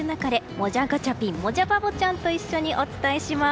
もじゃガチャピンもじゃバボちゃんと一緒にお伝えします。